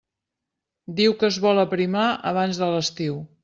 Diu que es vol aprimar abans de l'estiu.